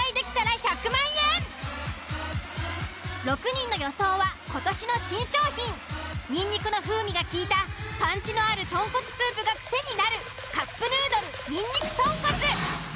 ６人の予想は今年の新商品にんにくの風味がきいたパンチのある豚骨スープが癖になるカップヌードルにんにく豚骨。